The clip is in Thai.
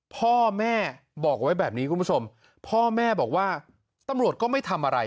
พ่อแม่บอกไว้แบบนี้คุณผู้ชมพ่อแม่บอกว่าตำรวจก็ไม่ทำอะไร